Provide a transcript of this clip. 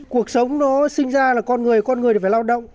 cuộc sống nó sinh ra là con người con người thì phải lao động